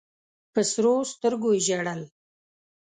په سرو سترګو یې ژړل.